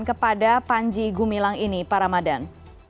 kepada panji gumilang ini pak ramadan